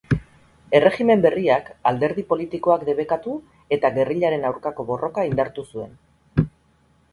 Erregimen berriak alderdi-politikoak debekatu eta gerrillaren aurkako borroka indartu zuen.